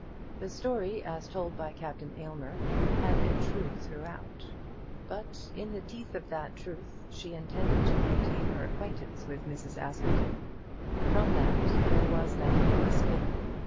The story as told by Captain Aylmer had been true throughout; but, in the teeth of that truth, she intended to maintain her acquaintance with Mrs. Askerton. From that there was now no escape.